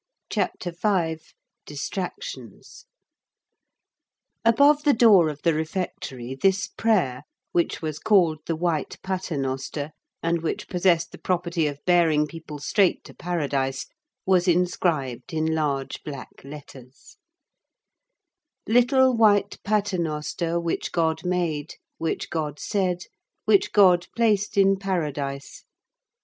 CHAPTER V—DISTRACTIONS Above the door of the refectory this prayer, which was called the white Paternoster, and which possessed the property of bearing people straight to paradise, was inscribed in large black letters:— "Little white Paternoster, which God made, which God said, which God placed in paradise.